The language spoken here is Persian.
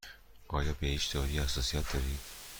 آیا به هیچ دارویی حساسیت دارید؟